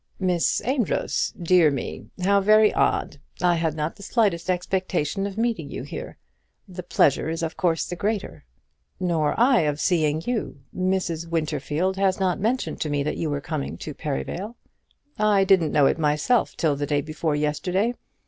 "Miss Amedroz! Dear me; how very odd! I had not the slightest expectation of meeting you here. The pleasure is of course the greater." "Nor I of seeing you. Mrs. Winterfield has not mentioned to me that you were coming to Perivale." "I didn't know it myself till the day before yesterday.